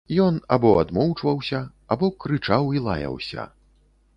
Ён або адмоўчваўся, або крычаў і лаяўся.